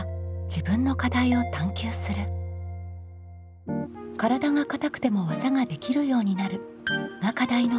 「体が硬くても技ができるようになる」が課題のはるきさん。